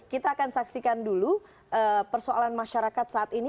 kita akan saksikan dulu persoalan masyarakat saat ini